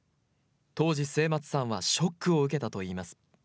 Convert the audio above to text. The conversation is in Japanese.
当時、末松さんはショックを受けたといいます。